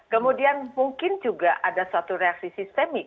kemudian mungkin juga ada suatu reaksi sistemik